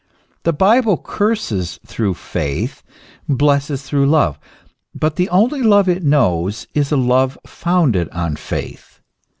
The Bible curses through faith, blesses through love. But the only love it knows is a love founded on faith.